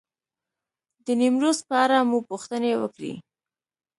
د نیمروز په اړه مو پوښتنې وکړې.